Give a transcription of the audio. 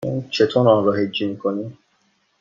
چطور آن را هجی می کنی؟